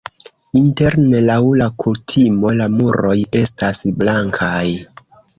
Interne laŭ la kutimo la muroj estas blankaj.